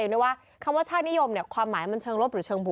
แต่ว่าอยากให้โฟกัสที่ตัวเรืองด้วยจริง